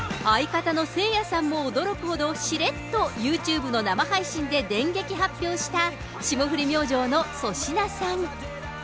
相方のせいやさんも驚くほど、しれっとユーチューブの生配信で電撃発表した、霜降り明星の粗品さん。